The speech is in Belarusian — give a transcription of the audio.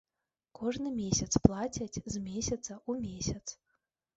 Кожны месяц плацяць, з месяца ў месяц.